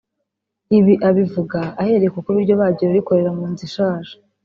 Ibi abivuga ahereye ku kuba iryo bagiro rikorera mu nzu ishaje